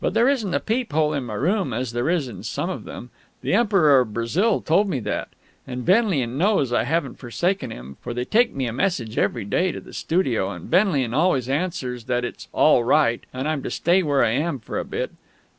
But there isn't a peephole in my room, as there is in some of them (the Emperor of Brazil told me that); and Benlian knows I haven't forsaken him, for they take me a message every day to the studio, and Benlian always answers that it's "all right, and I'm to stay where I am for a bit."